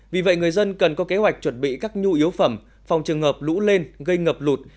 vì vậy người dân cần có kế hoạch chuẩn bị các nhu yếu phẩm phòng trường hợp lũ lên gây ngập lụt